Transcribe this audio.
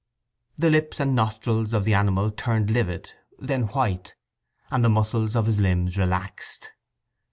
The lips and nostrils of the animal turned livid, then white, and the muscles of his limbs relaxed.